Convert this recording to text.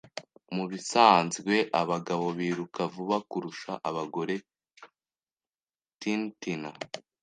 Mubisanzwe, abagabo biruka vuba kurusha abagore. (tinytina)